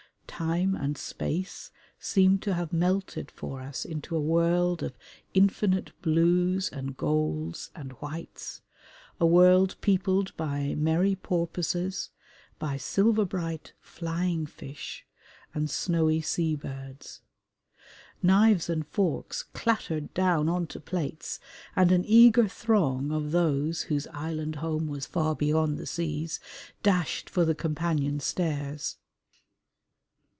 Time and space seemed to have melted for us into a world of infinite blues and golds and whites, a world peopled by merry porpoises, by silver bright flying fish, and snowy sea birds. Knives and forks clattered down on to plates and an eager throng of those "whose island home was far beyond the seas" dashed for the companion stairs.